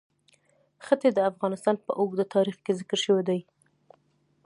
ښتې د افغانستان په اوږده تاریخ کې ذکر شوی دی.